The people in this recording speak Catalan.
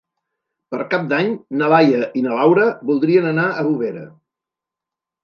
Per Cap d'Any na Laia i na Laura voldrien anar a Bovera.